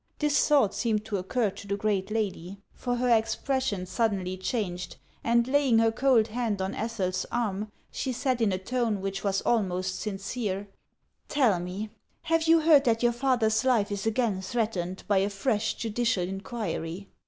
This thought seemed to occur to the great lady, for her expression suddenly changed, and laying her cold hand on Ethel's arm, she said in a tone which was almost sincere :" Tell me, have you heard that your father's life is again threatened by a fresh judi cial inquiry